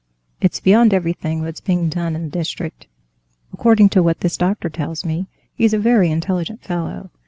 "It's beyond everything what's being done in the district, according to what this doctor tells me. He's a very intelligent fellow.